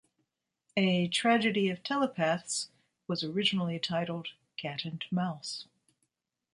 "A Tragedy of Telepaths" was originally titled "Cat and Mouse.